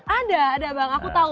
ada ada bang aku tahu